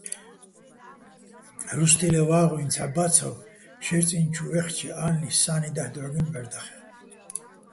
რუსთილეჼ ვა́ღუჲნი ცჰ̦ა ბა́ცავ შეჲრი̆ წი́ნი̆ ჩუ ვაჲხჩე, ა́ლნი, სა́ნი დაჰ̦ დჵო́გინო̆ ბჵარდახეჼ.